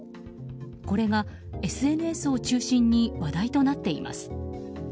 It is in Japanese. これがＳＮＳを中心に話題となっています。